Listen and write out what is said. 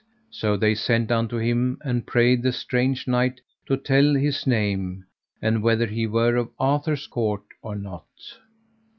So they sent unto him, and prayed the strange knight to tell his name, and whether he were of Arthur's court or not.